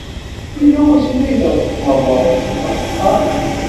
Yella wasmi ay treqmeḍ afexxar?